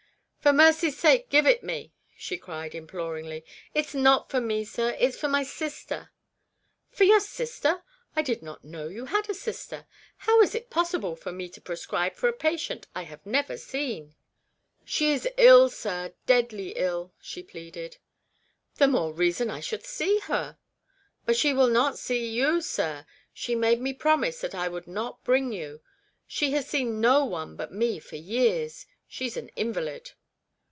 " For mercy's sake give it me," she cried, imploringly. " It's not for me, sir ; it's for my sister." REBECCAS REMORSE. 205 " For your sister ? I did not know you had a sister. How is it possible for me to prescribe for a patient I have never seen ?"" She is ill, sir, deadly ill," she pleaded. " The more reason I should see her." " But she will not see you, sir ; she made me promise that I would not bring you. She has seen no one but me for years. She's an invalid."